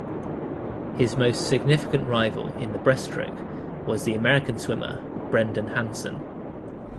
His most significant rival in the breaststroke was the American swimmer Brendan Hansen.